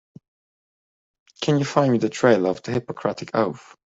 Can you find me the trailer of the Hippocratic Oath?